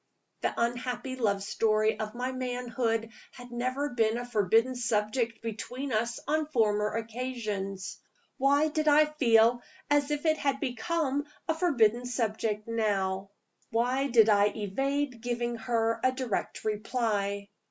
The unhappy love story of my manhood had never been a forbidden subject between us on former occasions. Why did I feel as if it had become a forbidden subject now? Why did I evade giving her a direct reply?